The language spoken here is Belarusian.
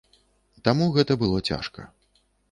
Таму гэта было цяжка.